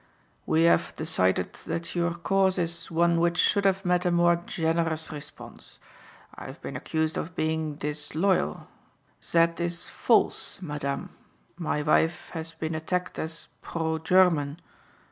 "We have decided that your cause is one which should have met a more generous response. I have been accused of being disloyal. That is false, Madam. My wife has been attacked as pro German.